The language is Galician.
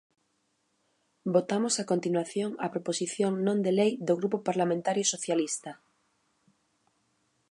Votamos a continuación a proposición non de lei do Grupo Parlamentario Socialista.